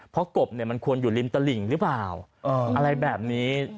เพราะกบเนี่ยมันควรอยู่ริมตลิ่งหรือเปล่าอะไรแบบนี้